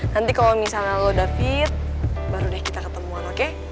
nanti kalau misalnya lo david baru deh kita ketemuan oke